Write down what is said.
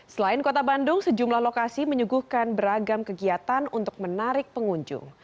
selain kota bandung sejumlah lokasi menyuguhkan beragam kegiatan untuk menarik pengunjung